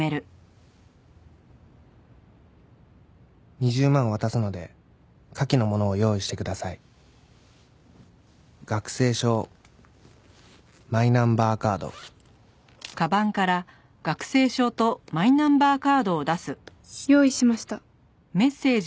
「２０万渡すので下記のものを用意してください」「学生証」「マイナンバーカード」「用意しました」